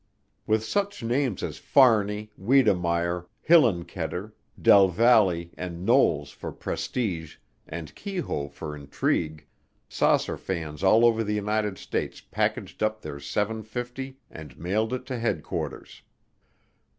With such names as Fahrney, Wedemeyer, Hillenkoetter, Del Valle and Knowles for prestige, and Keyhoe for intrigue, saucer fans all over the United States packaged up their seven fifty and mailed it to headquarters.